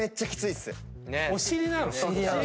お尻なの？